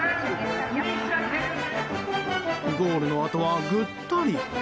ゴールのあとは、ぐったり。